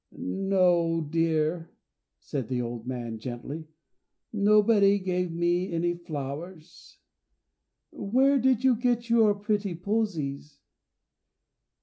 "No, dear," said the old man, gently; "nobody gave me any flowers. Where did you get your pretty posies?"